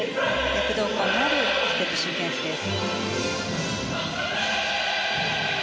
躍動感のあるステップシークエンスです。